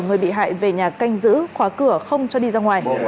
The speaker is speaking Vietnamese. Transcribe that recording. người bị hại về nhà canh giữ khóa cửa không cho đi ra ngoài